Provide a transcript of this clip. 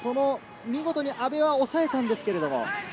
見事に阿部を抑えたんですけれど。